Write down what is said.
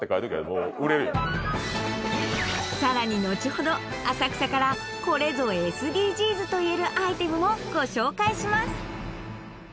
もう売れるさらにのちほど浅草からこれぞＳＤＧｓといえるアイテムもご紹介します